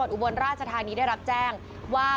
อุบลราชธานีได้รับแจ้งว่า